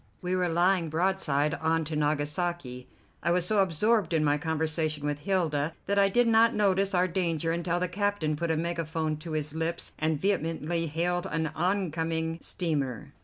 We were lying broadside on to Nagasaki. I was so absorbed in my conversation with Hilda that I did not notice our danger until the captain put a megaphone to his lips and vehemently hailed an oncoming steamer.